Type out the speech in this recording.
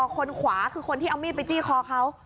คนขวาคือคนที่เอามีดไปจี้คอเขา